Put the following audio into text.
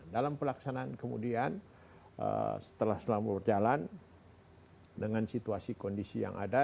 dalam pelaksanaan kemudian setelah selama berjalan dengan situasi kondisi yang ada